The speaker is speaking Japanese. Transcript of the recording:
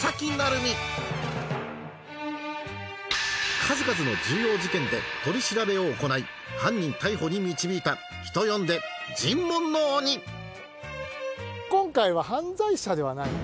数々の重要事件で取り調べを行い犯人逮捕に導いた人呼んで尋問の鬼へえ。